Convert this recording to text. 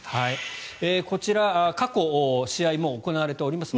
こちら過去試合行われています。